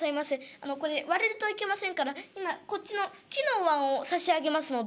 あのこれ割れるといけませんから今こっちの木のおわんを差し上げますので」。